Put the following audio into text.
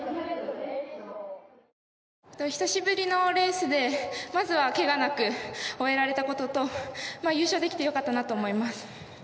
久しぶりのレースでまずはケガなく終えられたこととまあ優勝できてよかったなと思います